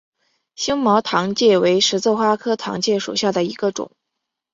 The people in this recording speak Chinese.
星毛糖芥为十字花科糖芥属下的一个种。